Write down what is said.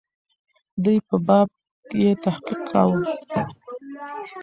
دوی په باب یې تحقیق کاوه.